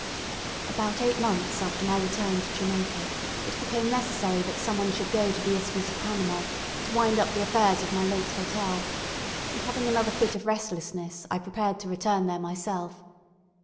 About eight months after my return to Jamaica, it became necessary that some one should go to the Isthmus of Panama to wind up the affairs of my late hotel; and having another fit of restlessness, I prepared to return there myself.